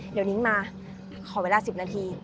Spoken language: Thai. เดี๋ยวนิ้งมาขอเวลา๑๐นาที